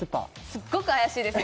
すっごく怪しいです